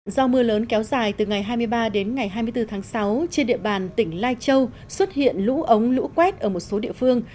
do mưa lớn kéo dài từ ngày hai mươi ba đến ngày hai mươi bốn tháng sáu trên địa bàn tỉnh lai châu xuất hiện lũ ống lũ quét ở một số địa phương